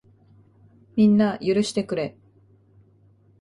みんな、許してくれ。